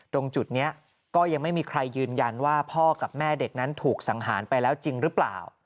ตรงจุดนี้ก็ยังไม่มีใครยืนยันว่าพ่อกับแม่เด็กนั้นถูกสังหารไปแล้วจริงหรือเปล่า